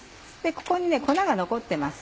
ここに粉が残ってます。